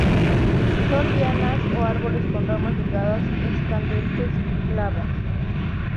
Son lianas o árboles con ramas delgadas escandentes, glabras.